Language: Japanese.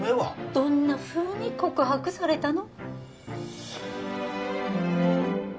どんなふうに告白されたの？